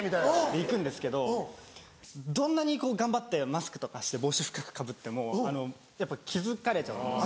行くんですけどどんなに頑張ってマスクとかして帽子深くかぶってもやっぱ気付かれちゃうんです。